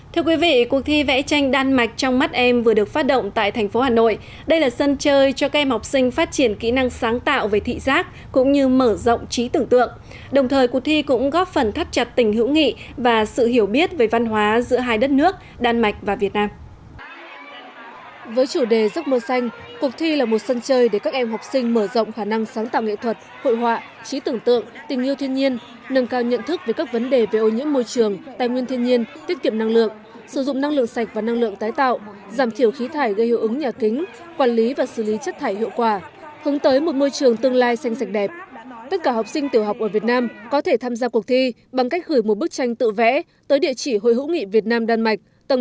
thưa quý vị cuộc thi vẽ tranh đan mạch trong mắt em vừa được phát động tại thành phố hà nội đây là sân chơi cho các em học sinh phát động tại thành phố hà nội đây là sân chơi cho các em học sinh phát động tại thành phố hà nội đây là sân chơi cho các em học sinh phát động tại thành phố hà nội đây là sân chơi cho các em học sinh phát động tại thành phố hà nội đây là sân chơi cho các em học sinh phát động tại thành phố hà nội đây là sân chơi cho các em học sinh phát động tại thành phố hà nội đây là sân chơi cho các em học sinh phát động tại thành phố hà nội đây là sân chơi cho các em học sinh phát động tại thành